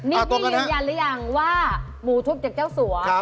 นี่ที่ยืนยันหรือยังว่า